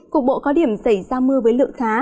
cục bộ có điểm xảy ra mưa với lượng khá